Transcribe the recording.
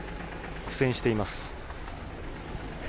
苦戦しています。